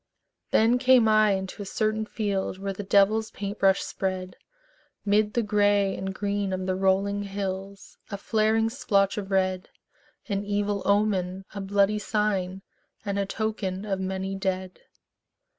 Then came I into a certain field Where the devil's paint brush spread 'Mid the gray and green of the rolling hills A flaring splotch of red, An evil omen, a bloody sign, And a token of many dead.